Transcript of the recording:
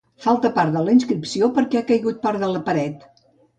Falta part de la inscripció perquè ha caigut part de la paret.